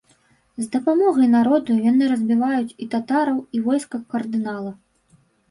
З дапамогай народу яны разбіваюць і татараў, і войска кардынала.